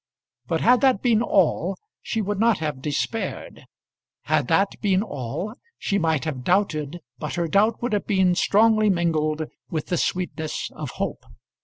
But, had that been all, she would not have despaired. Had that been all, she might have doubted, but her doubt would have been strongly mingled with the sweetness of hope.